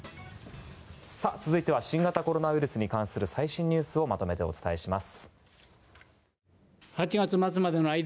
続いては新型コロナウイルスに関する最新ニュースをまとめてお伝えします。